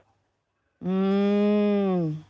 อืม